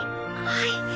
はい。